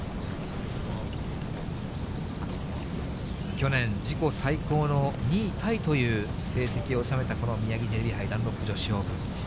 去年、自己最高の２位タイという成績を収めた、このミヤギテレビ杯ダンロップ女子オープン。